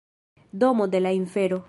Domo de la Infero